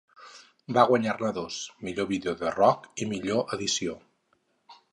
Va guanyar-ne dos, Millor Video de Rock i Millor Edició.